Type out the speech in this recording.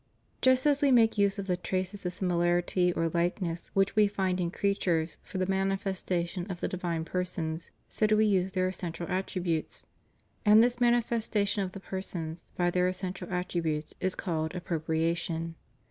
"Just as we make use of the traces of similarity or likeness which we find in creatures for the manifestation of the divine per sons, so do we use their essential attributes; and this manifestation of the persons by their essential attributes is called appropriation."